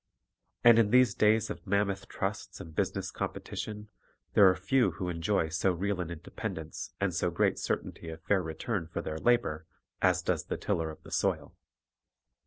And in these days of mammoth trusts and business competition, there are few who enjoy so real an independence and so great certainty of fair return for their labor as does the tiller of the soil.